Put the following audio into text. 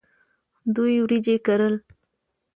دوی وریجې کرل.